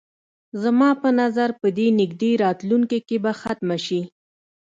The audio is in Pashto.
زما په نظر په دې نږدې راتلونکي کې به ختمه شي.